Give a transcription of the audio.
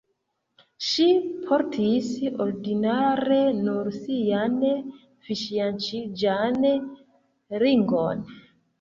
Ŝi portis ordinare nur sian fianĉiĝan ringon.